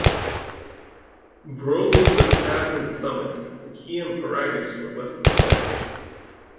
Broly was stabbed in the stomach, and he and Paragus were left for dead.